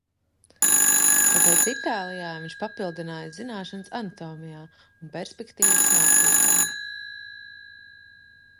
Tāpēc Itālijā viņš papildināja zināšanas anatomijā un perspektīvas mācībā.